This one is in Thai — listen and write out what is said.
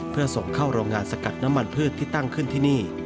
เพื่อส่งเข้าโรงงานสกัดน้ำมันพืชที่ตั้งขึ้นที่นี่